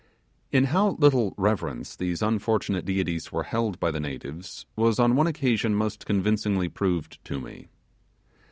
In how little reverence these unfortunate deities were held by the natives was on one occasion most convincingly proved to me.